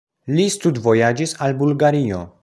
Li studvojaĝis al Bulgario.